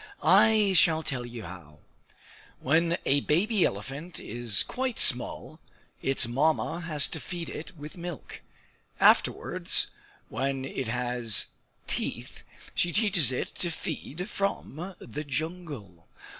I shall tell you how. When a baby elephant is quite small, its Mamma has to feed it with milk. Afterwards, when it has teeth, she teaches it to feed from the jungle.